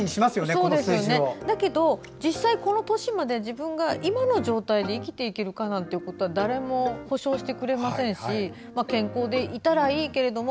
だけど、実際にこの年まで自分が今の状態で生きていけるかなんてことは誰も保証してくれませんし健康でいたらいいけれども